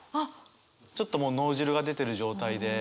ちょっともう脳汁が出てる状態で上の方は。